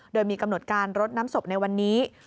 โดยมีกำหนดการรดน้ำศพในวันนี้